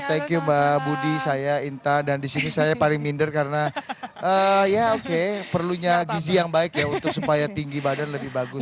thank you mbak budi saya inta dan disini saya paling minder karena ya oke perlunya gizi yang baik ya untuk supaya tinggi badan lebih bagus